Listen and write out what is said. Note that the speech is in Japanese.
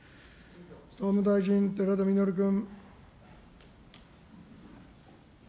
総務大臣、寺田稔君。